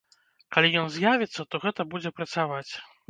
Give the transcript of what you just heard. Калі ён з'явіцца, то гэта будзе працаваць.